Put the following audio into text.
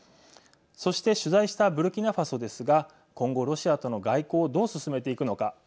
そして取材したブルキナファソですが今後ロシアとの外交をどう進めていくのか。